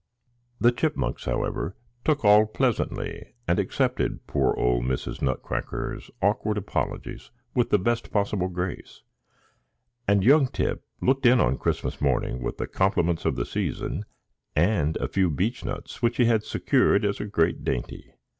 The Chipmunks, however, took all pleasantly, and accepted poor old Mrs. Nutcracker's awkward apologies with the best possible grace; and young Tip looked in on Christmas morning with the compliments of the season and a few beech nuts, which he had secured as a great dainty.